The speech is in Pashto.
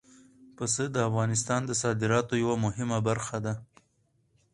پسه د افغانستان د صادراتو یوه مهمه برخه ده.